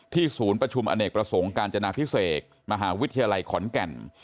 ศูนย์ประชุมอเนกประสงค์การจนาพิเศษมหาวิทยาลัยขอนแก่น